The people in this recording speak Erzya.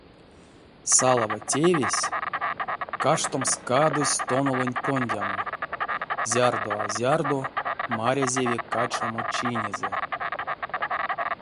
Салава тевесь — каштомс кадозь тонолонь кондямо, зярдо а зярдо марязеви качамо чинезэ.